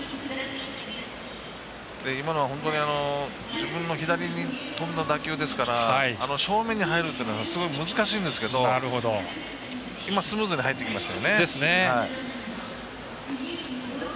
今の、自分の左に飛んだ打球ですから正面に入るっていうのはすごく難しいんですけどスムーズに入ってきましたよね。